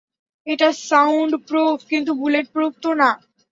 এটা সাউন্ডপ্রুফ, কিন্তু বুলেটপ্রুফ তো না।